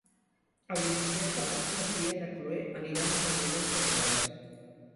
El vint-i-tres de maig na Sira i na Chloé aniran a Sant Climent Sescebes.